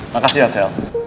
makasih ya sel